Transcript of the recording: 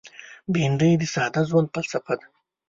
بېنډۍ د ساده ژوند فلسفه ده